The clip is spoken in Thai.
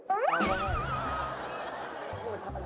ควาย